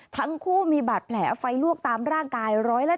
ทั้งคู่มีบาดแผลไฟลวกตามร่างกาย๑๗